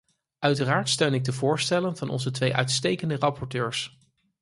Uiteraard steun ik de voorstellen van onze twee uitstekende rapporteurs.